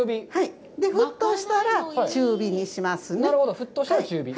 沸騰したら、中火にしますね。